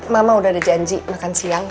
mama udah ada janji makan siang